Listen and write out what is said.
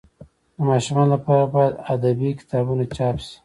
د ماشومانو لپاره باید ادبي کتابونه چاپ سي.